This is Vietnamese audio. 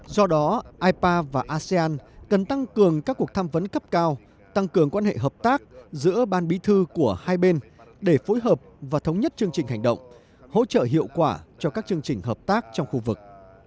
do đó ipa và asean cần tăng cường các cuộc tham vấn cấp cao tăng cường quan hệ hợp tác giữa ban bí thư của hai bên để phối hợp và thống nhất chương trình hành động hỗ trợ hiệu quả cho các chương trình hợp tác trong khu vực